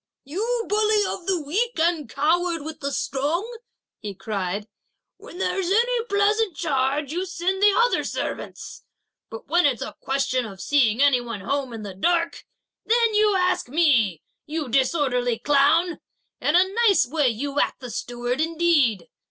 "You bully of the weak and coward with the strong," he cried, "when there's any pleasant charge, you send the other servants, but when it's a question of seeing any one home in the dark, then you ask me, you disorderly clown! a nice way you act the steward, indeed!